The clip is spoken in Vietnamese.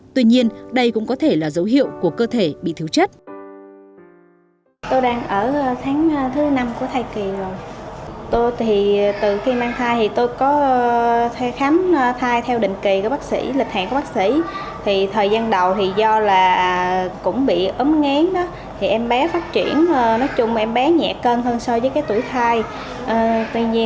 tuy nhiên đây cũng có thể là dấu hiệu của cơ thể bị thiếu chất